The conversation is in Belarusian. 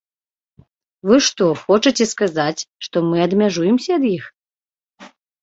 Вы што, хочаце сказаць, што мы адмяжуемся ад іх?